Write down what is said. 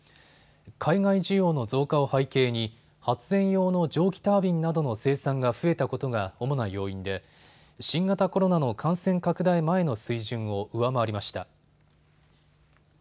海外需要の増加を背景に発電用の蒸気タービンなどの生産が増えたことが主な要因で新型コロナの感染拡大前の水準を上回りました。